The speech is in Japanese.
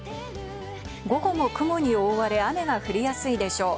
午後も雲に覆われ雨が降りやすいでしょう。